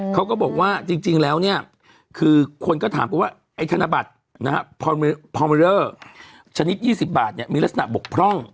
เขาก็บอกว่าจริงแล้วเนี่ยคือคนก็ถามกันว่าไอ้ธนบัตรนะฮะพอเมลเลอร์ชนิด๒๐บาทเนี่ยมีลักษณะบกพร่อง